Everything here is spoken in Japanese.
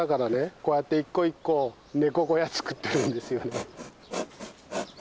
こうやって一個一個猫小屋作ってるんですよね。